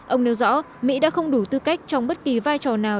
ông nêu rõ mỹ đã không đủ tư cách trong bất kỳ vai trò nào